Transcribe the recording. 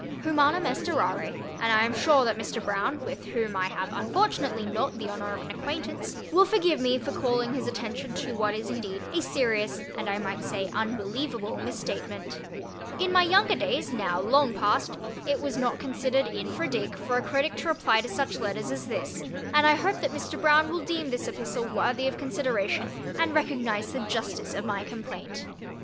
Humanum est errare, and I am sure that Mr. Broun (with whom I have unfortunately not the honour of an acquaintance) will forgive me for calling his attention to what is indeed a serious, and I might say, unbelievable, misstatement. In my younger days, now long past, it was not considered infra dig for a critic to reply to such letters as this, and I hope that Mr. Broun will deem this epistle worthy of consideration, and recognize the justice of my complaint.